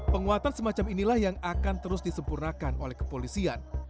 penguatan semacam inilah yang akan terus disempurnakan oleh kepolisian